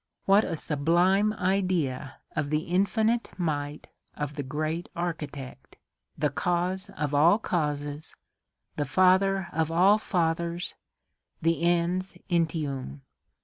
What a sublime idea of the infinite might of the great Architect! the Cause of all causes, the Father of all fathers, the Ens entium!